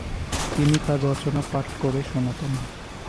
তিনি তার রচনা পাঠ করে শোনাতেন।